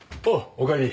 おかえり。